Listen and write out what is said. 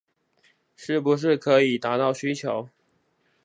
是不是可以達到需求